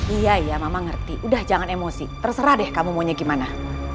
iya iya mama ngerti udah jangan emosi terserah deh kamu maunya gimana